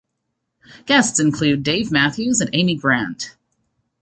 Guests include Dave Matthews and Amy Grant.